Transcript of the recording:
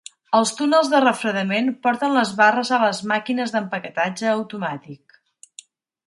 Els túnels de refredament porten les barres a les màquines d'empaquetatge automàtic.